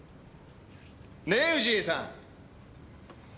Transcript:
ねえ氏家さん！